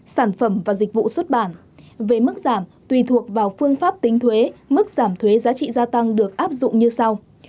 sản phẩm và dịch vụ xuất bản về mức giảm tùy thuộc vào phương pháp tính thuế mức giảm thuế giá trị gia tăng được áp dụng như sau